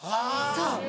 そう。